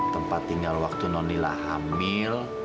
tempat tinggal waktu nol nila hamil